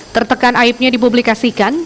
tertekan aibnya dipublikasikan